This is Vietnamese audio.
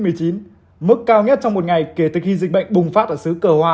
mức cao nhất trong một ngày kể từ khi dịch bệnh bùng phát ở xứ cờ hoa